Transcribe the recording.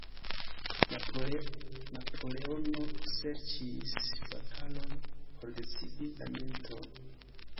Napoleono serĉis batalon por decidi la militon.